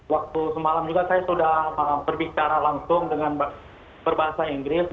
waktu semalam juga saya sudah berbicara langsung dengan berbahasa inggris